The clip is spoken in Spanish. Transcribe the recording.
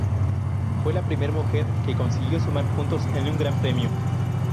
Fue la primera mujer que consiguió sumar puntos en un Gran Premio.